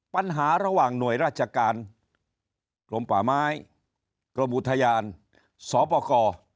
ปัญหาระหว่างหน่วยราชการกรมป่าไม้กรมอุทยานสปกร